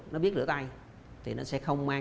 nó biết rửa tay thì nó sẽ không mang